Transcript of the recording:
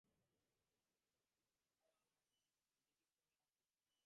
নেটের পর্দা টাঙানো, দেখিসনি মতি?